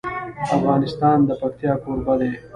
افغانستان د پکتیا کوربه دی.